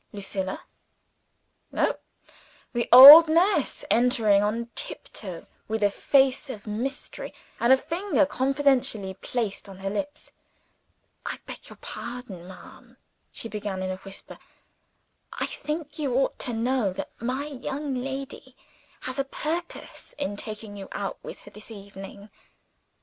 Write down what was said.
Lucilla? No; the old nurse entering on tiptoe, with a face of mystery, and a finger confidentially placed on her lips. "I beg your pardon, ma'am," she began in a whisper. "I think you ought to know that my young lady has a purpose in taking you out with her this evening.